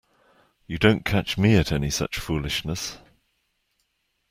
You don't catch me at any such foolishness.